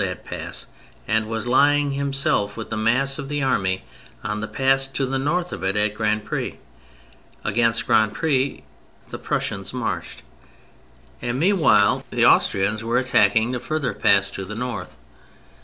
that pass and was lying himself with the mass of the army on the pass to the north of it at Grandpr^. Against Grandpre the Prussians marched, and meanwhile the Austrians wxre THE MILITARY ASPECT 159 attacking the further pass to the north.